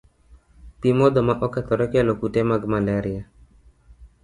Pi modho ma okethore kelo kute mag malaria.